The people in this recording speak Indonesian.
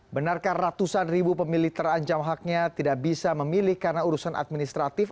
benarkah ratusan ribu pemilih terancam haknya tidak bisa memilih karena urusan administratif